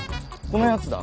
このやつだ？